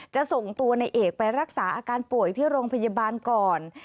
จะส่งตัวในเอกไปรักษาอาการป่วยที่โรงพยาบาลก่อน